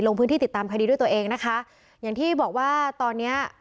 ลงพื้นที่ติดตามคดีด้วยตัวเองนะคะอย่างที่บอกว่าตอนเนี้ย